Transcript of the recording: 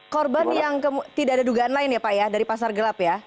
korban yang tidak ada dugaan lain ya pak ya dari pasar gelap ya